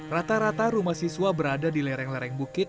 rata rata rumah siswa berada di lereng lereng bukit